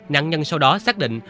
nạn nhân sau đó xác định